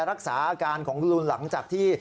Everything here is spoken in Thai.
รักษาอาการของคุณลูนหลังจากที่